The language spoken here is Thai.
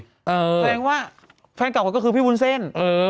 แสดงว่าแฟนเก่ามันก็คือพี่วุ้นเส้น